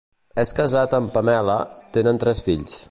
És casat amb Pamela; tenen tres fills.